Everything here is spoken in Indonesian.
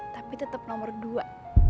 tapi tetap nomor dua